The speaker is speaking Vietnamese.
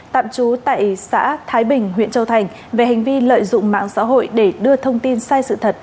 tạm trú tại xã thái bình huyện châu thành về hành vi lợi dụng mạng xã hội để đưa thông tin sai sự thật